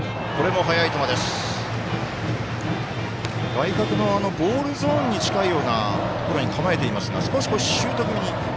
外角のボールゾーンに近いようなところに構えていますが少しシュート気味に。